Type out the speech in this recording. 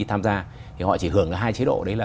tham gia thì họ chỉ hưởng hai chế độ đấy là